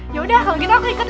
yaudah kalau gitu aku ikut